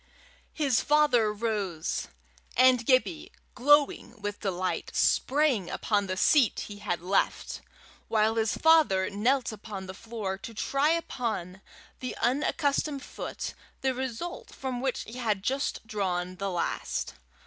His father rose, and Gibbie, glowing with delight, sprang upon the seat he had left, while his father knelt upon the floor to try upon the unaccustomed foot the result from which he had just drawn the last.